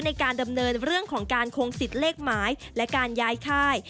ในการดำเนินเรื่องของการคงสิทธิ์เลขหมายและการย้ายค่าย